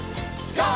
ＧＯ！